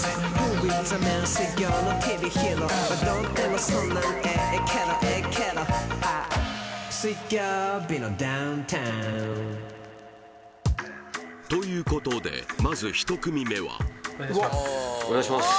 おかしいなということでまず１組目はお願いします